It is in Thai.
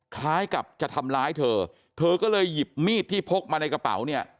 คล้ายกับจะทำร้ายเธอเธอก็เลยหยิบมีดที่พกมาในกระเป๋าเนี่ย